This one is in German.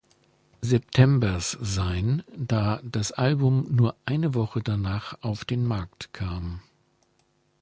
Septembers sein, da das Album nur eine Woche danach auf den Markt kam.